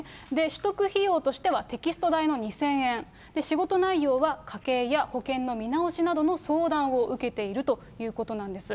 取得費用としてはテキスト代の２０００円、仕事内容は家計や保険の見直しなどの相談を受けているということなんです。